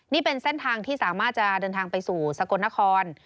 นี่เป็นเส้นทางที่สามารถจะเดินทางไปสู่สกลนคร